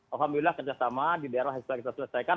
alhamdulillah kerjasama di daerah kita selesaikan